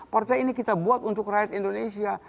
partai ini kita buat untuk rakyat indonesia